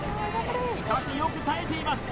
しかしよく耐えています